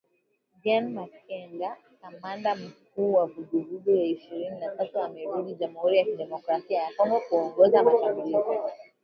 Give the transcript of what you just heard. Gen. Makenga, kamanda mkuu wa Vuguvugu ya Ishirini na tatu amerudi Jamuhuri ya Kidemokrasia ya Kongo kuongoza mashambulizi